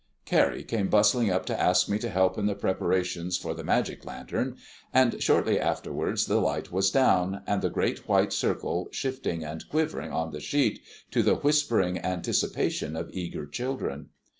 Carrie came bustling up to ask me to help in the preparations for the magic lantern; and shortly afterwards the light was down, and the great white circle shifting and quivering on the sheet, to the whispering anticipation of eager children.